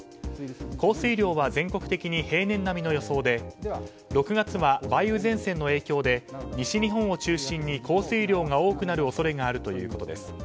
降水量は全国的に平年並みの予想で６月は梅雨前線の影響で西日本を中心に降水量が多くなる恐れがあるということです。